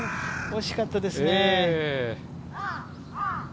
惜しかったですね。